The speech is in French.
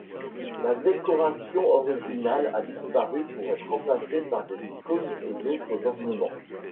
La décoration originale a disparu pour être remplacée par des icônes et autres ornements.